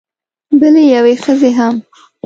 بلې یوې ښځې هم